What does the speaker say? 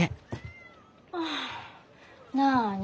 ああなに？